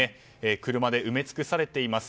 車で埋め尽くされています。